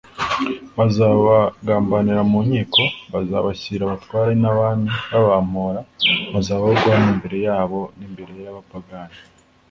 “bazabagambanira mu nkiko, …bazabashyira abatware n’abami babampora, muzaba abo guhamya imbere y’abo n’imbere y’abapagani